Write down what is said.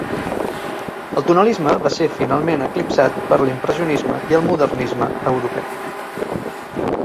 El tonalisme va ser finalment eclipsat per l'impressionisme i el modernisme europeu.